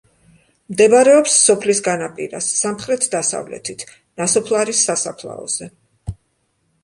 მდებარეობს სოფლის განაპირას, სამხრეთ დასავლეთით, ნასოფლარის სასაფლაოზე.